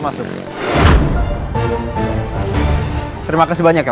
tetep k steel simon nih ya